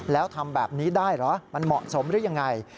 แล้วทำแบบนี้ได้เหรอมันเหมาะสมหรือยังไง